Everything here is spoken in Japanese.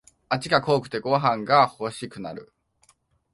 味が濃くてご飯がほしくなる